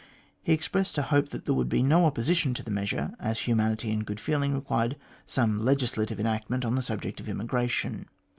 He expressed a hope that there would be no opposi tion to the measure, as humanity and good feeling required some legislative enactment on the subject of emigration.